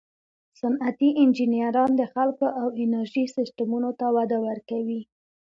صنعتي انجینران د خلکو او انرژي سیسټمونو ته وده ورکوي.